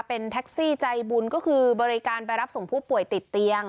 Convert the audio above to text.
เป็นแท็กซี่ใจบุญก็คือบริการไปรับส่งผู้ป่วยติดเตียง